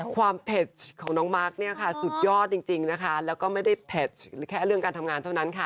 เผ็ดของน้องมาร์คเนี่ยค่ะสุดยอดจริงนะคะแล้วก็ไม่ได้เผ็ดแค่เรื่องการทำงานเท่านั้นค่ะ